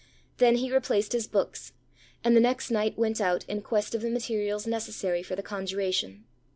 Then he replaced his books; and the next night went out in quest of the materials necessary for the conjuration.